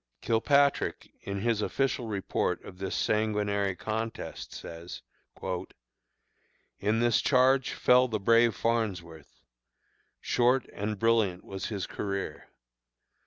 Kilpatrick, in his official report of this sanguinary contest, says: "In this charge fell the brave Farnsworth. Short and brilliant was his career.